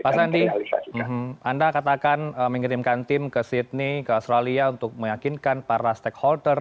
pak sandi anda katakan mengirimkan tim ke sydney ke australia untuk meyakinkan para stakeholder